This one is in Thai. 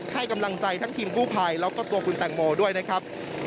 ให้กำลังใจทั้งทีมกู้ภัยแล้วก็ตัวคุณแตงโมด้วยนะครับ